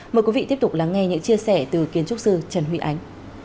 mời quý vị tiếp tục lắng nghe những chia sẻ từ kiến trúc sư trần huy ánh